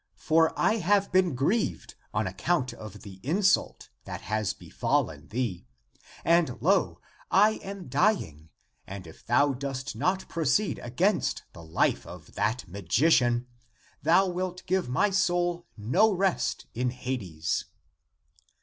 For I have been grieved on account of the insult that has befallen thee, and lo! I am dying, and if thou dost not proceed against the life of that magician, thou wilt give my soul no rest in Hades."